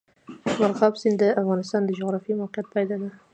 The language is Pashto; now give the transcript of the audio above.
مورغاب سیند د افغانستان د جغرافیایي موقیعت پایله ده.